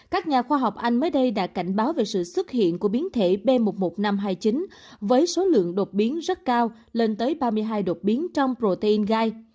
các nhà khoa học anh mới đây đã cảnh báo về sự xuất hiện của biến thể b một mươi một nghìn năm trăm hai mươi chín với số lượng đột biến rất cao lên tới ba mươi hai đột biến trong protein gai